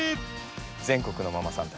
全国のママさんたち